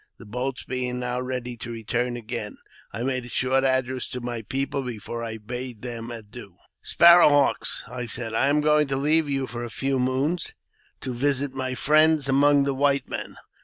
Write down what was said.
The boats being now ready to return again, I made a short address to my people before I bade them adieu. Sparrowhawks !" I said, " I am going to leave you for a few moons, to visit my friends among the white men.